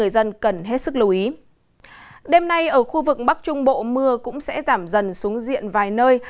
đêm nay ở khu vực bắc trung bộ mưa cũng sẽ giảm dần xuống diện vài nơi